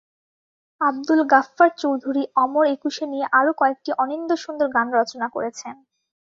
আবদুল গাফ্ফার চৌধুরী অমর একুশে নিয়ে আরও কয়েকটি অনিন্দ্যসুন্দর গান রচনা করেছেন।